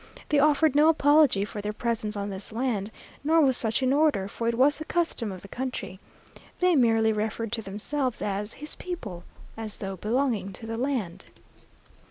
They offered no apology for their presence on this land, nor was such in order, for it was the custom of the country. They merely referred to themselves as "his people," as though belonging to the land.